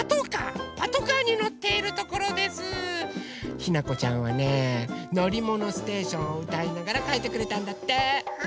ひなこちゃんはね「のりものステーション」をうたいながらかいてくれたんだって！